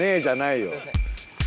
じゃないよ。